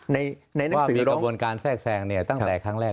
ว่ามีกระบวนการแทรกแทรง